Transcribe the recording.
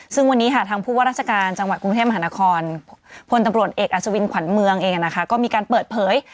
ซึ่งวันนี้ทางผู้ว่ารักษการกรุงเทพค์มหานครพลตำรวจเอกอาจวินขวานเมืองเองก็มีการเปิดเผย